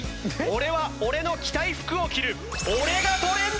俺は俺の着たい服を着る。